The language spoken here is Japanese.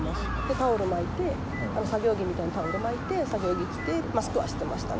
タオル巻いて、作業着みたいにタオル巻いて、作業着を着て、マスクはしてましたね。